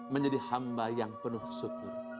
menjadi hamba yang penuh syukur